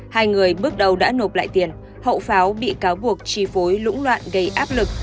hai người bước đầu đã nộp lại tiền hậu pháo bị cáo buộc chi phối lũng loạn gây áp lực